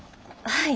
はい。